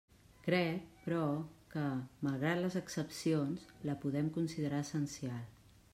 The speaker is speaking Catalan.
Crec, però, que, malgrat les excepcions, la podem considerar essencial.